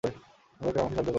দয়া করে আমাকে সাহায্য করো।